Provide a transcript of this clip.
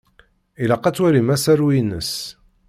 Ilaq ad twalim asaru-ines.